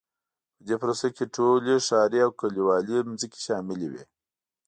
په دې پروسه کې ټولې ښاري او کلیوالي ځمکې شاملې وې.